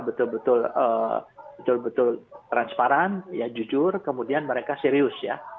betul betul transparan jujur kemudian mereka serius ya